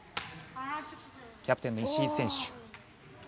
キャプテンの石井選手。